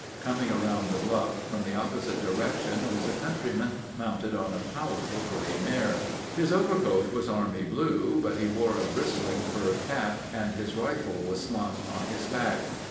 Coming around the bluff from the opposite direction was a countryman mounted on a powerful gray mare. His overcoat was army blue, but he wore a bristling fur cap, and his rifle was slung on his back.